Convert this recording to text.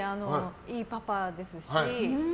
いいパパですし。